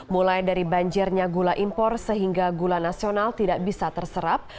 mulai dari banjirnya gula impor sehingga gula nasional tidak bisa terserap